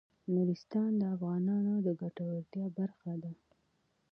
نورستان د افغانانو د ګټورتیا برخه ده.